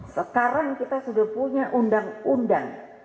sekarang kita sudah punya undang undang